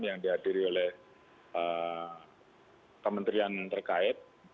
yang dihadiri oleh kementerian terkait